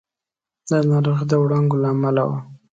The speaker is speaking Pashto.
دا ناروغي د وړانګو له امله وه.